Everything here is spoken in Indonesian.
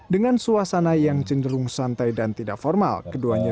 semoga kalian semua itu ibu ibu pegang gagal